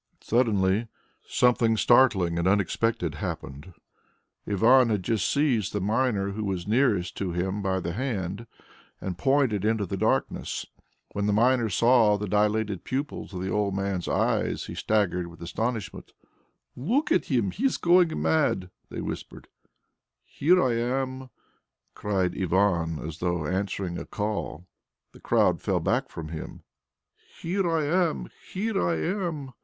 Suddenly something startling and unexpected happened. Ivan had just seized the miner who was nearest to him by the hand, and pointed into the darkness. When the miner saw the dilated pupils of the old man's eyes, he staggered with astonishment. "Look at him! He is going mad!" they whispered. "Here I am!" cried Ivan, as though answering a call. The crowd fell back from him. "Here I am! Here I am!"